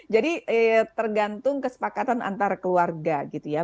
jadi tergantung kesepakatan antar keluarga gitu ya